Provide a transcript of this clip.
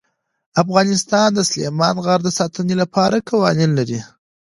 افغانستان د سلیمان غر د ساتنې لپاره قوانین لري.